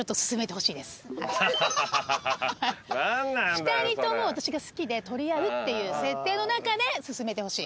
２人とも私が好きで取り合うっていう設定の中で進めてほしい。